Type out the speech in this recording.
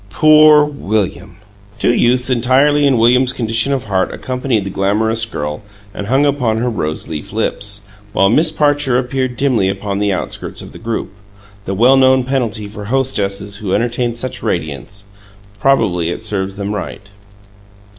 Poor William! Two youths entirely in William's condition of heart accompanied the glamorous girl and hung upon her rose leaf lips, while Miss Parcher appeared dimly upon the outskirts of the group, the well known penalty for hostesses who entertain such radiance. Probably it serves them right.